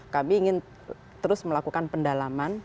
kami ingin terus melakukan pendalaman